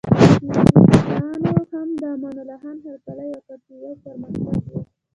انګلیسانو هم د امان الله خان هرکلی وکړ چې یو پرمختګ و.